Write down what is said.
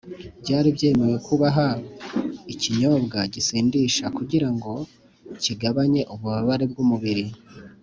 byari byemewe kubaha ikinyobwa gisindisha, kugira ngo kigabanye ububabare bw’umubiri